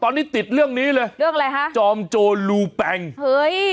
ตอนนี้ติดเรื่องนี้เลยเรื่องอะไรฮะจอมโจรลูแปงเฮ้ย